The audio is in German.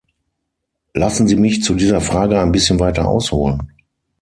Lassen Sie mich zu dieser Frage ein bisschen weiter ausholen.